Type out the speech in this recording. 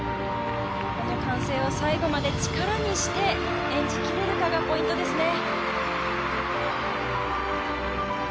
この歓声を最後まで力にして演じ切れるかがポイントですね。